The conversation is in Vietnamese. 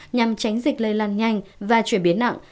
nhằm tránh dịch lây lan nhanh và chuyển biến nặng